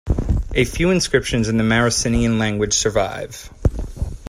A few inscriptions in the Marrucinian language survive.